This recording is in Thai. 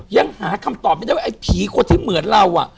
ยังหาคำตอบยังไม่ได้ไอ้ผีคนที่เหมือนเราอ่ะ